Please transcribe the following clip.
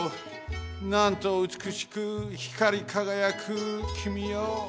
なんとうつくしくひかりかがやくきみよ！